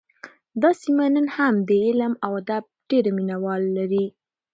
دا سیمه نن هم د علم او ادب ډېر مینه وال لري